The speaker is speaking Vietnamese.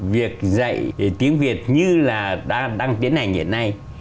việc dạy tiếng việt như là đang tiến hành hiện nay